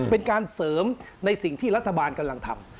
เป็นการเสริมในสิ่งที่รัฐบาลกำลังทำ